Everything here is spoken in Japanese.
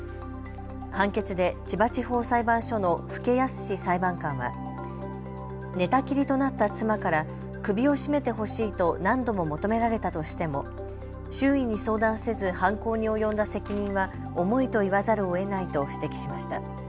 判決で千葉地方裁判所地方裁判所の福家康史裁判官は寝たきりとなった妻から首を絞めてほしいと何度も求められたとしても周囲に相談せず犯行に及んだ責任は重いと言わざるをえないと指摘しました。